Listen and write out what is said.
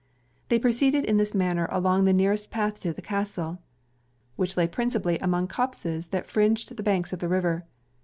They proceeded in this manner along the nearest path to the castle, which lay principally among copses that fringed the banks of the river.